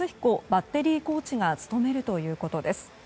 バッテリーコーチが務めるということです。